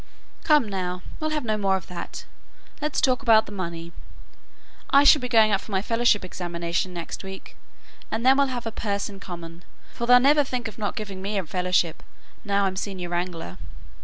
"Come, now, we'll have no more of that; let's talk about the money. I shall be going up for my Fellowship examination next week, and then we'll have a purse in common, for they'll never think of not giving me a Fellowship now I'm senior wrangler.